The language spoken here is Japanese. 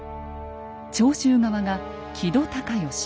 長州側が木戸孝允。